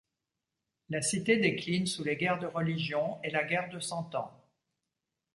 La cité décline sous les guerres de religion et la guerre de Cent Ans.